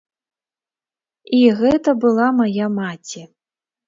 І гэта была мая маці.